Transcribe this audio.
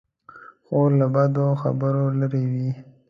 خور له بدو خبرو لیرې وي.